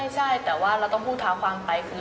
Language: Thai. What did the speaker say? ใช่แต่ว่าเราต้องพูดเท้าฟังไปคือ